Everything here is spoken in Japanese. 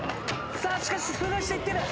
しかしスルーしていってる。